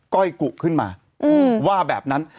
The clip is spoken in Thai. ก้อยกุขึ้นมาว่าแบบนั้น